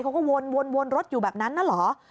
เขาก็วนรถอยู่แบบนั้นน่ะเหรอ